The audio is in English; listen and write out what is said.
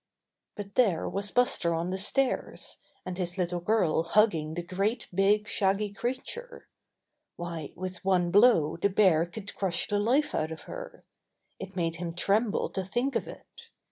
But there was Buster on the stairs, and his little girl hugging the great big, shaggy crea ture. Why, with one blow the bear could crush the life out of her! It made him tremble to think of it.